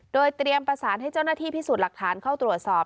โดยเตรียมประสานให้เจ้าหน้าที่พิสูจน์หลักฐานเข้าตรวจสอบ